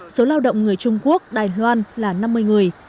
số lao động người trung quốc đài loan là năm mươi người